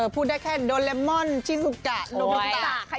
พูดได้แค่โดเลมอนชิซุกะโดเบอร์พุตา